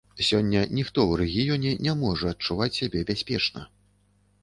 Сёння ніхто ў рэгіёне не можа адчуваць сябе бяспечна.